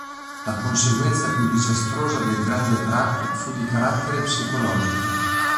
La conseguenza più disastrosa del grande crack fu di carattere psicologico.